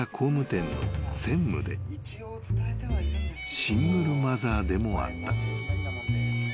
［シングルマザーでもあった］